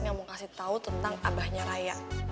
gak mau kasih tau tentang abahnya raya